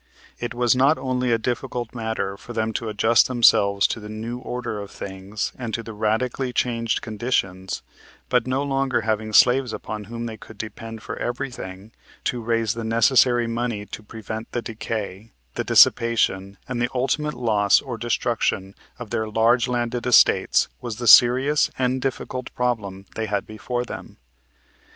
It was not only a difficult matter for them to adjust themselves to the new order of things and to the radically changed conditions, but no longer having slaves upon whom they could depend for everything, to raise the necessary money to prevent the decay, the dissipation and the ultimate loss or destruction of their large landed estates was the serious and difficult problem they had before them.